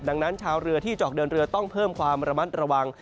ดังนั้นชาวเรือที่จะออกเดินเรือต้องเพิ่มความระมัดระวัง